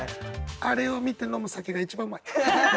あれを見て飲む酒が一番うまい。